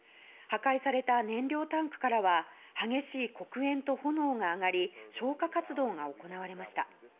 破壊された燃料タンクからは激しい黒煙と炎が上がり消火活動が行われました。